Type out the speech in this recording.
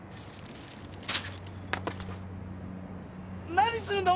何するんだお前！